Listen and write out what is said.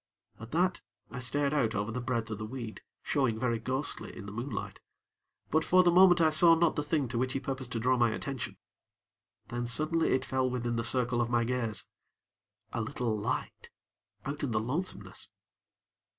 At that, I stared out over the breadth of the weed, showing very ghostly in the moonlight; but, for the moment, I saw not the thing to which he purposed to draw my attention. Then, suddenly, it fell within the circle of my gaze a little light out in the lonesomeness.